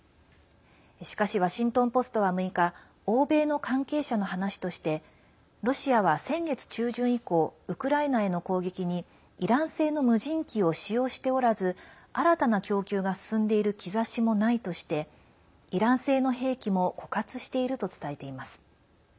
しかし、ワシントン・ポストは６日、欧米の関係者の話としてロシアは先月中旬以降ウクライナへの攻撃にイラン製の無人機を使用しておらず新たな供給が進んでいる兆しもないとしてイラン製の兵器も枯渇していると伝えています。